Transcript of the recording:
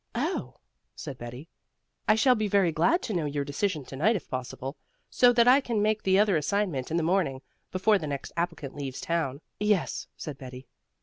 "Oh!" said Betty. "I shall be very glad to know your decision to night if possible, so that I can make the other assignment in the morning, before the next applicant leaves town." "Yes," said Betty.